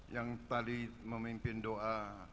yang tadi memimpin doa